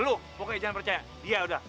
lu pokoknya jangan percaya dia udah